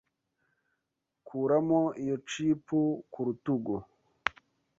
Kuramo iyo chip ku rutugu.